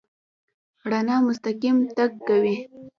رڼا مستقیم تګ کوي.